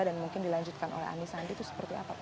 dan mungkin dilanjutkan oleh anies andi itu seperti apa pak